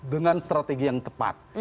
dengan strategi yang tepat